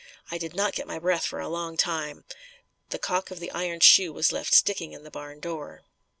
I did not get my breath for a long time. The calk of the iron shoe was left sticking in the barn door.